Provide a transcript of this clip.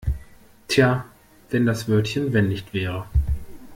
Tja, wenn das Wörtchen wenn nicht wäre!